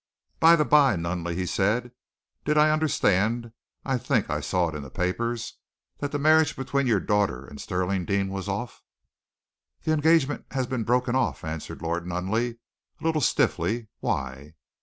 "By the bye, Nunneley," he said, "did I understand I think I saw it in the papers that the marriage between your daughter and Stirling Deane was off?" "The engagement has been broken off," answered Lord Nunneley, a little stiffly. "Why?"